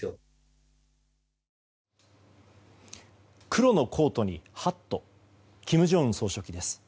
黒のコートにハット金正恩総書記です。